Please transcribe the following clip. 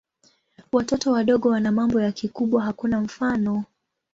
Watoto wadogo wana mambo ya kikubwa hakuna mfano.